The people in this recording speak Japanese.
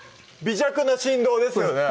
微弱な振動ですよね